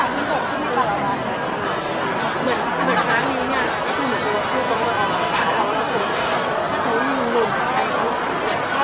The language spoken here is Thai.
เรื่องรังอะไรทำไมโรแข่งเข้ามา